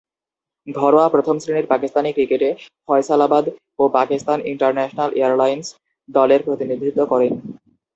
ঘরোয়া প্রথম-শ্রেণীর পাকিস্তানি ক্রিকেটে ফয়সালাবাদ ও পাকিস্তান ইন্টারন্যাশনাল এয়ারলাইন্স দলের প্রতিনিধিত্ব করেন।